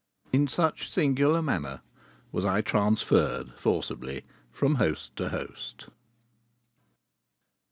In such singular manner was I transferred forcibly from host to host.